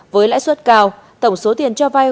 với lãi suất cao tổng số tiền cho vay